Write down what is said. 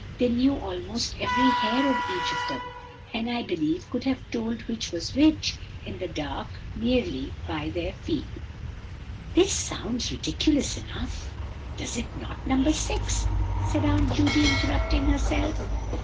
They knew almost every hair of each of them, and I believe could have told which was which, in the dark, merely by their feel. "This sounds ridiculous enough, does it not, dear No. 6?" said Aunt Judy, interrupting herself.